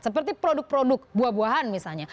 seperti produk produk buah buahan misalnya